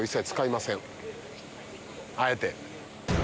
あえて。